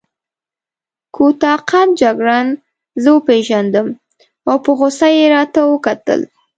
کوتاه قد جګړن زه وپېژندم او په غوسه يې راته وکتل.